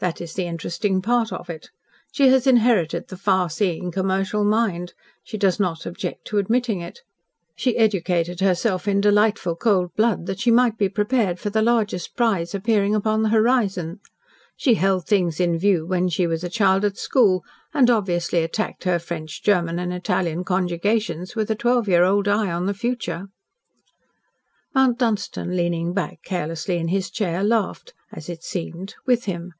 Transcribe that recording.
That is the interesting part of it. She has inherited the far seeing commercial mind. She does not object to admitting it. She educated herself in delightful cold blood that she might be prepared for the largest prize appearing upon the horizon. She held things in view when she was a child at school, and obviously attacked her French, German, and Italian conjugations with a twelve year old eye on the future." Mount Dunstan leaning back carelessly in his chair, laughed as it seemed with him.